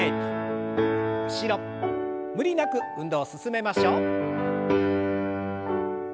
無理なく運動を進めましょう。